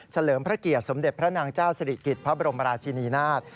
เลิมพระเกียรติสมเด็จพระนางเจ้าสิริกิจพระบรมราชินีนาฏ